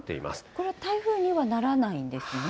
これは台風にはならないんですね？